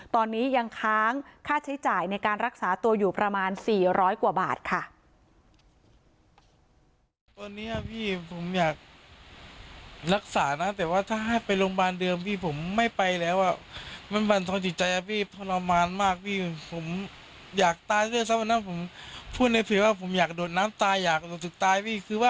ตอนนี้ยังค้างค่าใช้จ่ายในการรักษาตัวอยู่ประมาณ๔๐๐กว่าบาทค่ะ